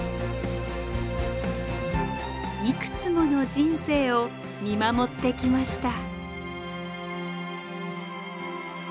いくつもの人生を見守ってきました。